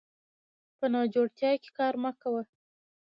په ناجوړتيا کې کار مه کوه